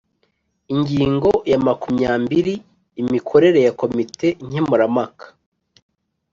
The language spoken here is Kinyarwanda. Ingingo ya makumyambiri: Imikorere ya Komite Nkemurampaka.